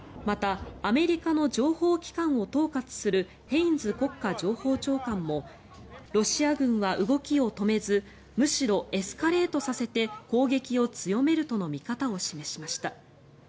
またアメリカの情報機関を統括するヘインズ国家情報長官もロシア軍は動きを止めずむしろエスカレートさせて攻撃を強めるとの見方を示しました。